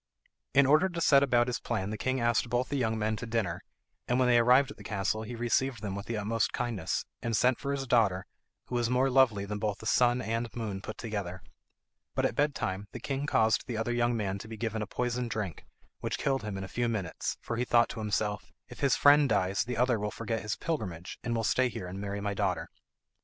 In order to set about his plan the king asked both the young men to dinner, and when they arrived at the castle he received them with the utmost kindness, and sent for his daughter, who was more lovely than both the sun and moon put together. But at bed time the king caused the other young man to be given a poisoned drink, which killed him in a few minutes, for he thought to himself, "If his friend dies the other will forget his pilgrimage, and will stay here and marry my daughter."